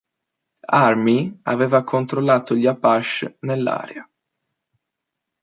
Army aveva controllato gli Apache nell'area.